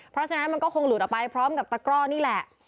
เพราะฉะนั้นมันก็คงหลุดออกไปพร้อมกับตะกร่อนี่แหละ